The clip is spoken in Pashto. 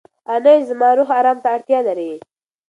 انا وویل چې زما روح ارام ته اړتیا لري.